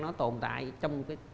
nó tồn tại trong cái